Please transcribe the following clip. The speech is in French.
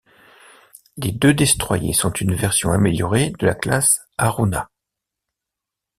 Les deux destroyers sont une version améliorée de la classe Haruna.